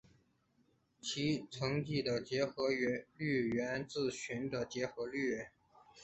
其乘积的结合律源自群的结合律。